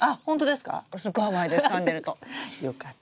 すごい甘いですかんでると。よかった。